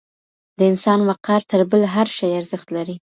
د انسان وقار تر بل هر شي ارزښت لري.